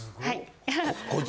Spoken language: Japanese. はい。